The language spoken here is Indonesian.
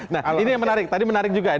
nah ini yang menarik tadi menarik juga